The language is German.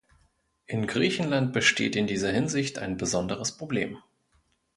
In Griechenland besteht in dieser Hinsicht ein besonderes Problem.